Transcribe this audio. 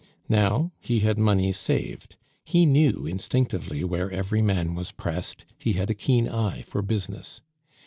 Now, he had money saved; he knew instinctively where every man was pressed; he had a keen eye for business.